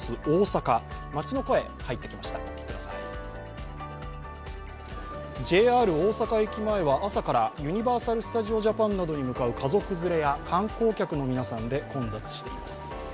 大阪駅前は朝からユニバーサル・スタジオジャパンなどに向かう家族連れや観光客の皆さんで混雑しています。